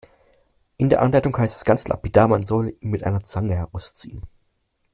In der Anleitung heißt es ganz lapidar, man soll ihn mit einer Zange herausziehen.